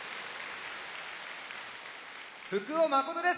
福尾誠です！